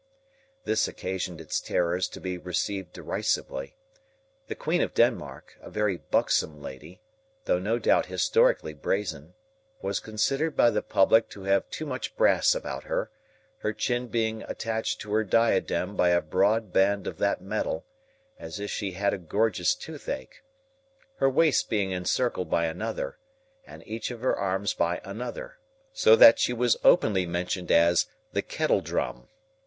This occasioned its terrors to be received derisively. The Queen of Denmark, a very buxom lady, though no doubt historically brazen, was considered by the public to have too much brass about her; her chin being attached to her diadem by a broad band of that metal (as if she had a gorgeous toothache), her waist being encircled by another, and each of her arms by another, so that she was openly mentioned as "the kettle drum."